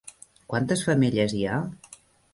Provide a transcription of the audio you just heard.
Quantes femelles hi ha?